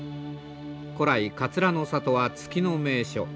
古来桂の里は月の名所。